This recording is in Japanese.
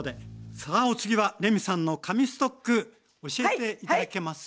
さあお次はレミさんの神ストック教えて頂けます？